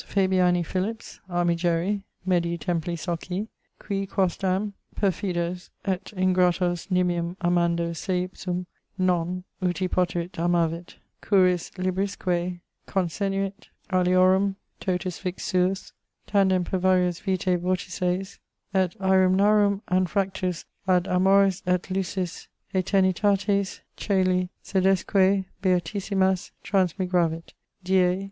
Fabiani Philipps, armigeri, Medii Templi socii, qui quosdam perfidos et ingratos nimium amando seipsum non (uti potuit) amavit, curis librisque consenuit, aliorum totus vix suus, tandem per varios vitae vortices et aerumnarum anfractus ad amoris et lucis aeternitates coeli sedesque beatissimas transmigravit ... die